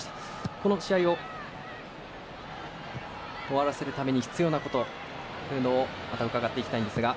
この試合を終わらせるために必要なことというのをまたうかがっていきたいんですが。